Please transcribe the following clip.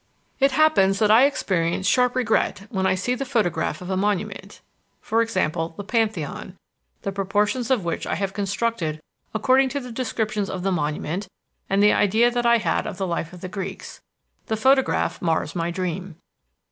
"It happens that I experience sharp regret when I see the photograph of a monument, e.g., the Pantheon, the proportions of which I have constructed according to the descriptions of the monument and the idea that I had of the life of the Greeks. The photograph mars my dream.